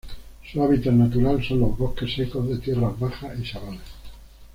Su hábitat natural son los bosques secos de tierras bajas y sabanas.